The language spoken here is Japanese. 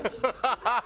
ハハハハ！